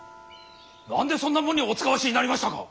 何でそんなもんにお使わしになりましたか！